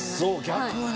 逆に。